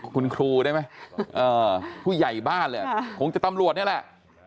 คุณครูได้ไหมผู้ใหญ่บ้านเลยคงจะตำรวจนี่แหละ